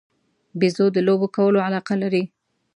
بیزو د لوبو کولو علاقه لري.